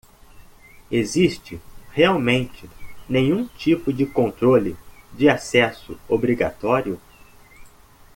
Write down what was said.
Existe realmente nenhum tipo de controle de acesso obrigatório?